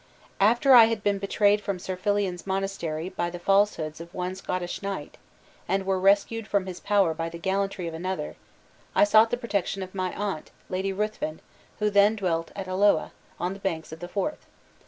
"After I had been betrayed from St. Fillian's monastery by the falsehoods of one Scottish knight, and were rescued from his power by the gallantry of another, I sought the protection of my aunt, Lady Ruthven, who then dwelt at Alloa, on the banks of the Forth.